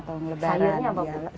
sayurnya apa bu